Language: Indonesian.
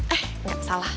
eh enggak salah